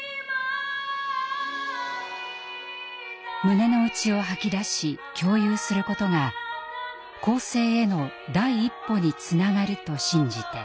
胸の内を吐き出し共有することが更生への第一歩につながると信じて。